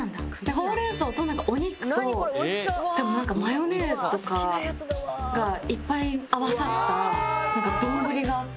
ほうれん草とお肉と多分マヨネーズとかがいっぱい合わさった丼があって。